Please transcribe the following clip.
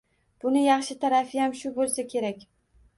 Buni yaxshi tarafiyam shu boʻlsa kerak.